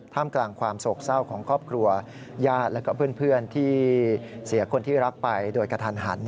มกลางความโศกเศร้าของครอบครัวญาติและเพื่อนที่เสียคนที่รักไปโดยกระทันหัน